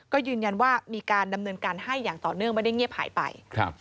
ก็ยืนยันว่ามีการดำเนินการให้อย่างต่อเนื่องไม่ได้เงียบหายไป